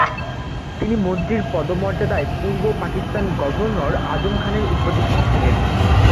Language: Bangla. তিনি মন্ত্রীর পদমর্যাদায় পূর্ব পাকিস্তান গভর্নর আজম খানের উপদেষ্টা ছিলেন।